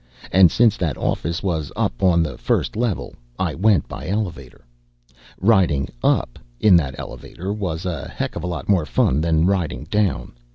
And, since that office was up on the first level, I went by elevator. Riding up in that elevator was a heck of a lot more fun than riding down.